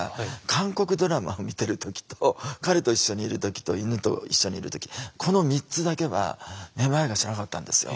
韓国ドラマを見てる時と彼と一緒にいる時と犬と一緒にいる時この３つだけはめまいがしなかったんですよ